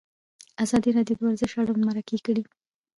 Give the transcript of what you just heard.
ازادي راډیو د ورزش اړوند مرکې کړي.